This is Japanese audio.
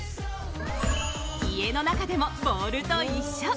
家の中でもボールと一緒。